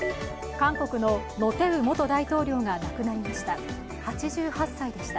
韓国のノ・テウ元大統領が亡くなりました。